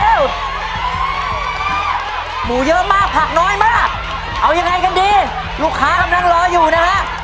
หมูเยอะมากผักน้อยมากเอายังไงกันดีลูกค้ากำลังรออยู่นะฮะ